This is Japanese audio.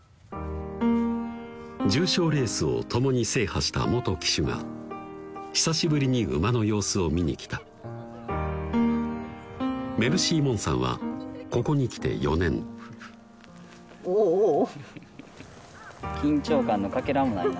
重賞レースを共に制覇した騎手が久しぶりに馬の様子を見に来たメルシーモンサンはここに来て４年おぉおぉ